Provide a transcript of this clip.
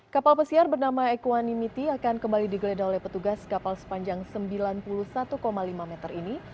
kapal pesiar bernama ekwanimiti akan kembali digeledah oleh petugas kapal sepanjang sembilan puluh satu lima meter ini